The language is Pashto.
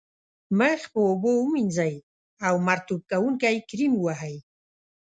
مخ په اوبو ومینځئ او مرطوب کوونکی کریم و وهئ.